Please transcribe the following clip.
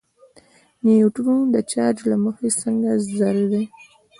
نیوټرون د چارچ له مخې څنګه ذره ده.